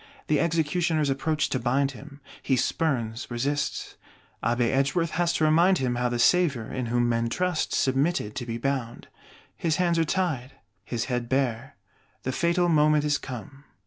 The Executioners approach to bind him: he spurns, resists; Abbé Edgeworth has to remind him how the Savior, in whom men trust, submitted to be bound. His hands are tied, his head bare; the fatal moment is come.